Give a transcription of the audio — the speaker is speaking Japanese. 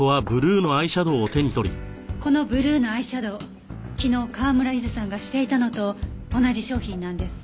このブルーのアイシャドー昨日川村ゆずさんがしていたのと同じ商品なんです。